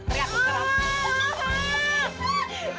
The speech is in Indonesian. tere aku terang